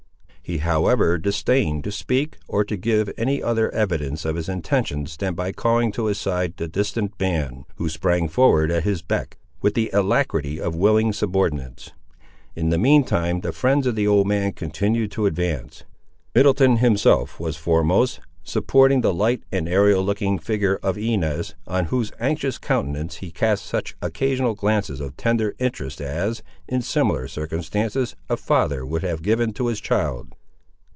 He however disdained to speak, or to give any other evidence of his intentions than by calling to his side the distant band, who sprang forward at his beck, with the alacrity of willing subordinates. In the mean time the friends of the old man continued to advance. Middleton himself was foremost, supporting the light and aerial looking figure of Inez, on whose anxious countenance he cast such occasional glances of tender interest as, in similar circumstances, a father would have given to his child.